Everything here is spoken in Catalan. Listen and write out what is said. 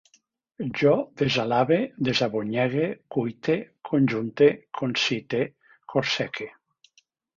Jo desalabe, desabonyegue, cuite, conjunte, concite, corseque